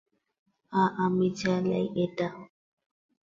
আ-আমি চালাই এটা।